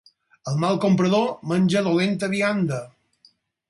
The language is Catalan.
El mal comprador menja dolenta vianda.